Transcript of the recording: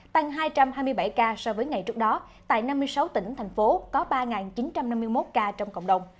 tăng hai trăm hai mươi bảy ca so với ngày trước đó tại năm mươi sáu tỉnh thành phố có ba chín trăm năm mươi một ca trong cộng đồng